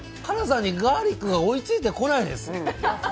辛さにガーリックが追いついてこないです。